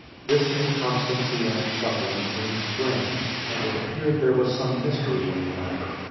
This inconstancy and shuffling seemed strange, and it appeared there was some mystery in the matter.